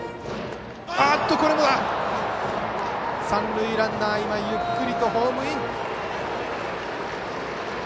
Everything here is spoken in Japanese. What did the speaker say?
三塁ランナーゆっくりとホームイン。